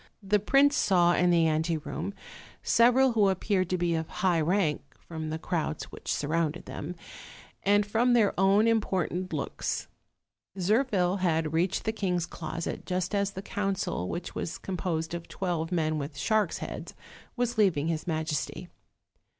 The prince saw in the anteroom several who appeared to be of high rank, from the crowds which surrounded them, and from their own important looks. Zirphil had reached the king's closet, just as the council, which was composed of twelve men with sharks' heads, was leaving his majesty.